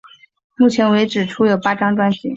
目前为止出有八张专辑。